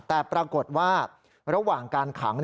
แต่ปรากฏว่าระหว่างการขัง